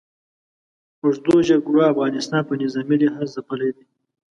اوږدو جګړو افغانستان په نظامي لحاظ ځپلی دی.